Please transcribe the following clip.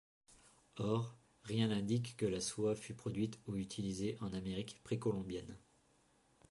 Or, rien n'indique que la soie fut produite ou utilisée en Amérique précolombienne.